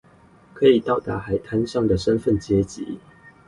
可以到達海灘上的身份階級